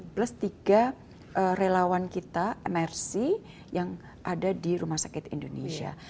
plus tiga relawan kita mrc yang ada di rumah sakit indonesia